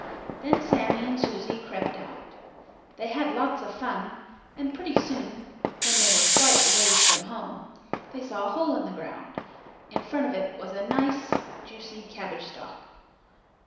Then Sammie and Susie crept out. They had lots of fun, and pretty soon, when they were quite a ways from home, they saw a hole in the ground. In front of it was a nice, juicy cabbage stalk.